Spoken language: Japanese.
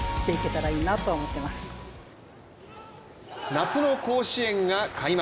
夏の甲子園が開幕。